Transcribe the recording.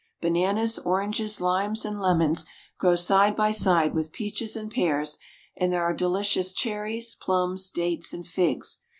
Bananas, oranges, limes, and lemons grow side by side with peaches and pears, and there are delicious cherries, plums, dates, and figs.